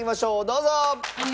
どうぞ！